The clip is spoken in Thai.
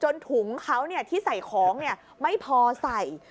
ถุงเขาที่ใส่ของไม่พอใส่